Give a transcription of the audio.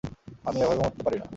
আমি এভাবে মরতে পারি না!